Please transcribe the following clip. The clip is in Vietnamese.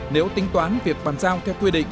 nếu tính toán việc bàn giao theo quy định